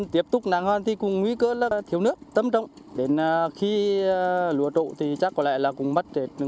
để bơm nước tưới cho lúa